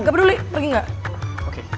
gak peduli pergi gak